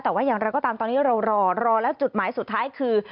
แต่ว่าอย่างไรก็ตามตอนนี้เรารอรอแล้วจุดหมายสุดท้ายคือ